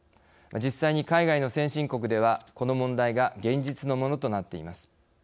実際に海外の先進国ではこの問題が現実のものとなっています。